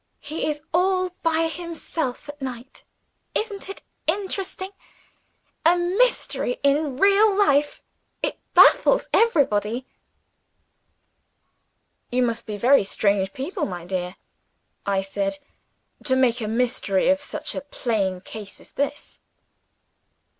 He is all by himself at night. Isn't it interesting? A mystery in real life. It baffles everybody." "You must be very strange people, my dear," I said, "to make a mystery of such a plain case as this."